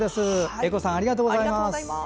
栄子さんありがとうございます。